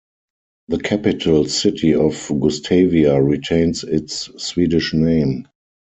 The capital city of Gustavia retains its Swedish name.